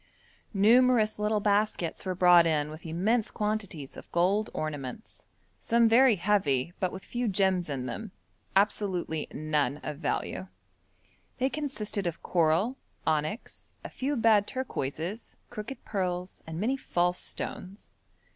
Numerous little baskets were brought in with immense quantities of gold ornaments, some very heavy, but with few gems in them absolutely none of value. They consisted of coral, onyx, a few bad turquoises, crooked pearls, and many false stones.